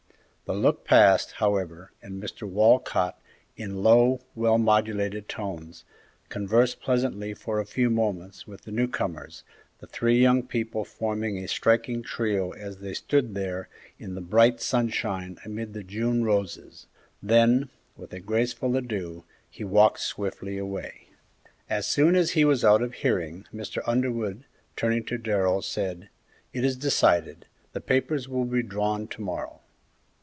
The look passed, however, and Mr. Walcott, in low, well modulated tones, conversed pleasantly for a few moments with the new comers, the three young people forming a striking trio as they stood there in the bright sunshine amid the June roses; then, with a graceful adieu, he walked swiftly away. As soon as he was out of hearing Mr. Underwood, turning to Darrell, said, "It is decided; the papers will be drawn to morrow."